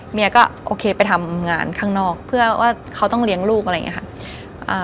เมียก็โอเคไปทำงานข้างนอกเพื่อว่าเขาต้องเลี้ยงลูกอะไรอย่างนี้ค่ะ